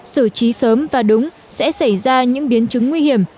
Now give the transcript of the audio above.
xử trí sớm và đúng sẽ xảy ra những biến chứng nguy hiểm